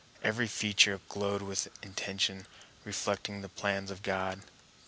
Every feature glowed with intention, reflecting the plans of God.